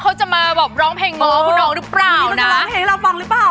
ถ้าสมมุตินอนแฟนแล้วมีแฟนแบบว่า